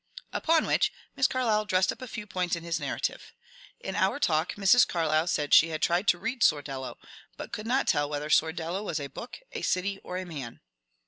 Upon which Mrs. Carlyle dressed up a few points in his narrative. In our talk Mrs. Carlyle said she had tried to read ^^ Sordello,*' but could not tell whether Bordello was ^^ a book, a city, or a man."